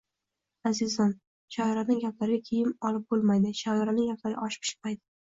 Azizim, shoirona gaplarga kiyim qilib bo’lmaydi, shoirona gaplarga osh pishmaydi